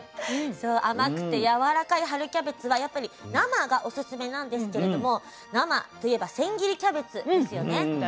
そう甘くてやわらかい春キャベツはやっぱり生がオススメなんですけれども生といえば千切りキャベツですよね。